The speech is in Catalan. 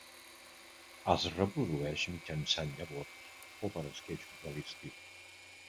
Es reprodueix mitjançant llavors o per esqueixos a l'estiu.